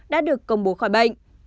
đã được công bố khỏi bệnh